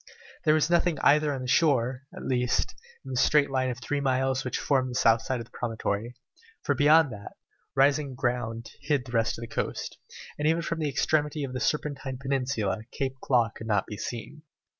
There was nothing either on the shore, at least, in the straight line of three miles which formed the south side of the promontory, for beyond that, rising ground hid the rest of the coast, and even from the extremity of the Serpentine Peninsula Cape Claw could not be seen.